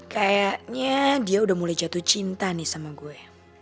kayaknya dia udah mulai jatuh cinta nih sama gue